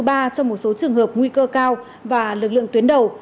trong một số trường hợp nguy cơ cao và lực lượng tuyến đầu